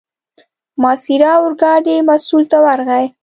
ماسیر اورګاډي مسوول ته ورغی.